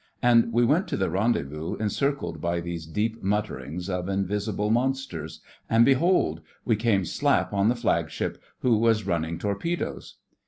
And we went to the rendezvous encircled by these deep mutterings of invisible monsters, and behold! we came slap on the Flagship, who was running torpedoes.